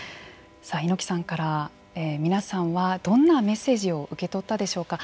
さあ猪木さんから皆さんはどんなメッセージを受け取ったでしょうか。